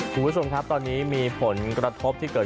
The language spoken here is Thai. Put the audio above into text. อยู่วุฒีค้องครับตอนนี้มีผลกระทบที่เกิด